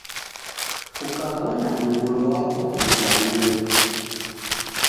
Kukaw'ona mgulu wapo kuzamilwa.